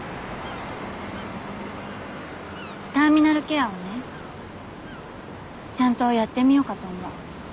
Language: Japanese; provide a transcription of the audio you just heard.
ターミナルケアをねちゃんとやってみようかと思う。